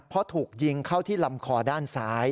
เพราะถูกยิงเข้าที่ลำคอด้านซ้าย